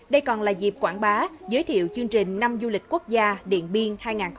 đây còn là dịp quảng bá giới thiệu chương trình năm du lịch quốc gia điện biên hai nghìn hai mươi bốn